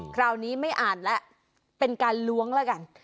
คราวนี้ไม่อ่านแล้วเป็นการล้วงแล้วกัน